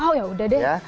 oh yaudah deh